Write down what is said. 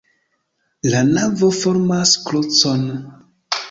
La navo formas krucon.